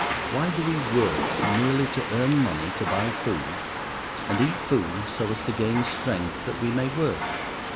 Why do we work merely to earn money to buy food; and eat food so as to gain strength that we may work?